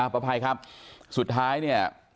ประภัยครับสุดท้ายเนี่ย